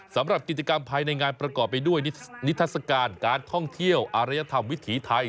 สำหรับกิจกรรมภายในงานประกอบไปด้วยนิทัศกาลการท่องเที่ยวอารยธรรมวิถีไทย